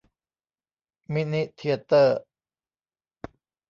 มินิเธียเตอร์